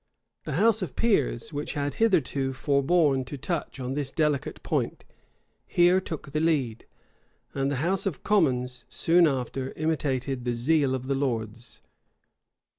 The house of peers, which had hitherto forborne to touch on this delicate point, here took the lead; and the house of commons soon after imitated the zeal of the lords.